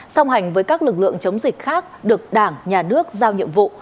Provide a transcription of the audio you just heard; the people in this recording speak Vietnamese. song hành với các lực lượng chống dịch khác được đảng nhà nước giao nhiệm vụ